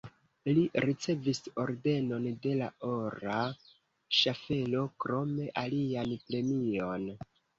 Li ricevis Ordenon de la Ora Ŝaffelo, krome alian premion.